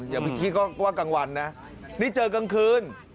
อย่าไปคิดก็ว่ากลางวันนะนี่เจอกลางคืน